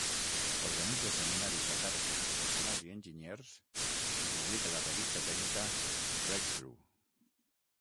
Organitza seminaris a càrrec de professionals i enginyers, i publica la revista tècnica "Breakthrough".